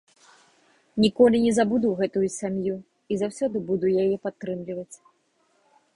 Ніколі не забуду гэтую сям'ю і заўсёды буду яе падтрымліваць.